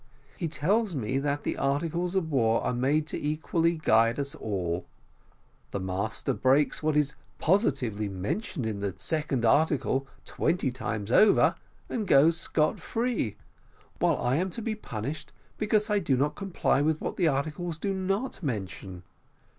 He tells me, that the articles of war are made to equally guide us all the master breaks what is positively mentioned in the second article twenty times over, and goes scot free, while I am to be punished, because I do not comply with what the articles do not mention.